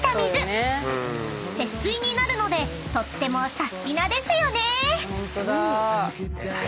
［節水になるのでとってもサスティな！ですよね］